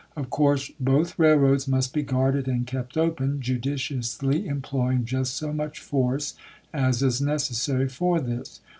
Of course both railroads must be guarded and kept open, judiciously employing just so much force as is necessary for this.